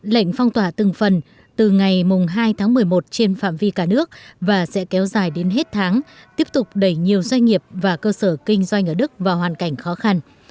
lệnh phong tỏa từng phần từ ngày hai tháng một mươi một trên phạm vi cả nước và sẽ kéo dài đến hết tháng tiếp tục đẩy nhiều doanh nghiệp và cơ sở kinh doanh ở đức vào hoàn cảnh khó khăn